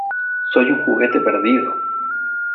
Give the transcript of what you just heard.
¡ Soy un juguete perdido!